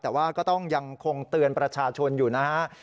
แต่ว่าก็ต้องยังคงเตือนประชาชนอยู่นะฮะ